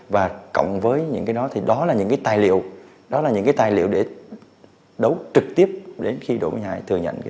và cộng với những cái đó thì đó là những cái tài liệu đó là những cái tài liệu để đấu trực tiếp đến khi đội minh hải thừa nhận cái hành vi